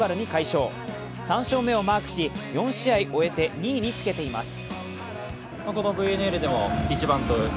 ３勝目をマークし、４試合終えて２位につけています。